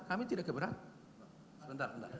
kami tidak keberatan